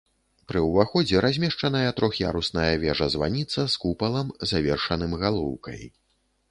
Пры ўваходзе размешчаная трох'ярусная вежа-званіца з купалам, завершаным галоўкай.